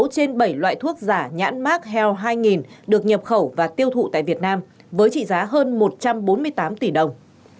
sáu trên bảy loại thuốc giả nhãn mát heo hai được nhập khẩu và tiêu thụ tại việt nam với trị giá hơn một trăm bốn mươi tám tỷ đồng